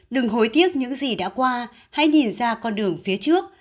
đừng hối tiếc những gì đã qua hãy nhìn ra con đường phía trước